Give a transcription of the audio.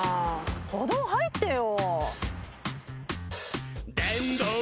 歩道入ってよ。